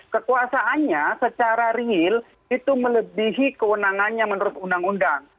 kekuasaannya secara real itu melebihi kewenangannya menurut undang undang